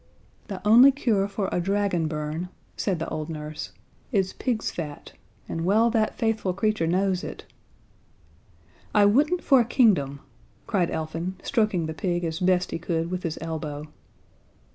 "The only cure for a dragon burn," said the old nurse, "is pig's fat, and well that faithful creature knows it " "I wouldn't for a kingdom," cried Elfin, stroking the pig as best he could with his elbow.